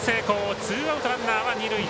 ツーアウト、ランナーは二塁。